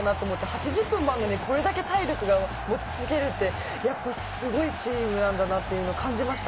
８０分もあるのに、これだけ体力が持ち続けるってやっぱすごいチームなんだなというのを感じました、